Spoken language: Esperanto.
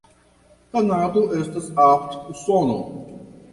Kanado estas apud Usono.